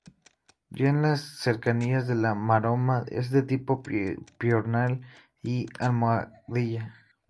Ya en las cercanías de la Maroma es de tipo piornal y almohadilla.